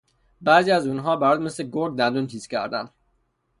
بعضی از اون ها برات مثل گرگ دندون تیز کردن